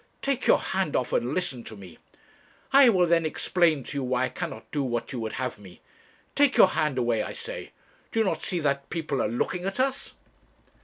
Take your hand off and listen to me. I will then explain to you why I cannot do what you would have me. Take your hand away, I say; do you not see that people are looking at us.'